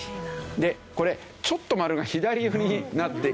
でこれちょっと丸が左寄りになっているのはですね